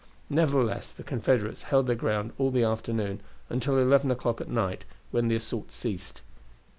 Nevertheless the Confederates held their ground all the afternoon and until eleven o'clock at night, when the assault ceased.